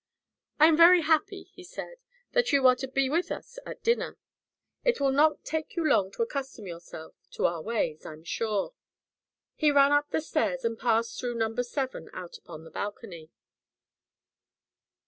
"I am very happy," he added, "that you are to be with us at dinner. It will not take you long to accustom yourself to our ways, I'm sure." He ran up the stairs and passed through number seven out upon the balcony.